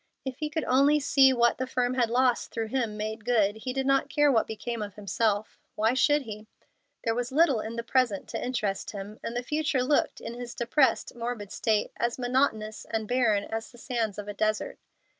If he could only see what the firm had lost through him made good, he did not care what became of himself. Why should he? There was little in the present to interest him, and the future looked, in his depressed, morbid state, as monotonous and barren as the sands of a desert.